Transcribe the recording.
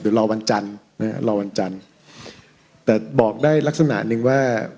เดี๋ยวรอวันจันทร์นะฮะรอวันจันทร์แต่บอกได้ลักษณะหนึ่งว่า